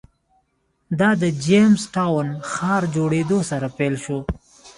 دا د جېمز ټاون ښار جوړېدو سره پیل شو.